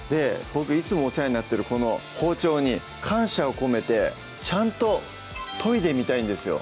僕いつもお世話になってるこの包丁に感謝を込めてちゃんと研いでみたいんですよ